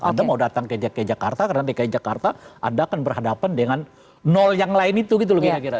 anda mau datang ke jakarta karena dki jakarta anda akan berhadapan dengan nol yang lain itu gitu